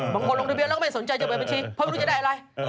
บางคนลงทะเบียนแล้วก็ไม่สนใจจะเปิดบัญชีเพราะไม่รู้จะได้อะไร